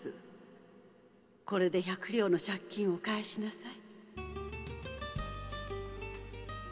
「これで百両の借金を返しなさい」